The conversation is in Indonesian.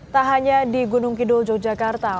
tak hanya di gunung kidul yogyakarta